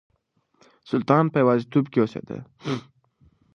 سلطان په يوازيتوب کې اوسېده.